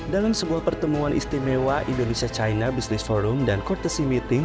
dalam sebuah pertemuan istimewa indonesia china business forum dan corptasi meeting